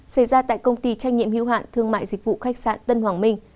xảy ra tại công ty trách nhiệm hữu hạn thương mại dịch vụ khách sạn tân hoàng minh